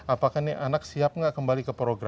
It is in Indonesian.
apakah anak ini siap tidak kembali ke rumah